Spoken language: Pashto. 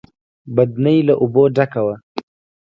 بدنۍ له اوبو ډکه وه.